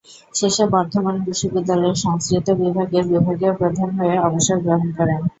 শেষে বর্ধমান বিশ্ববিদ্যালয়ের সংস্কৃত বিভাগের বিভাগীয় প্রধান হয়ে অবসর গ্রহণ করেন।